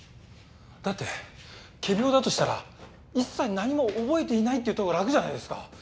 だって仮病だとしたら一切何も覚えていないって言ったほうが楽じゃないですか。